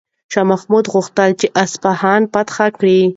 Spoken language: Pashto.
شاه محمود غوښتل چې اصفهان فتح کړي.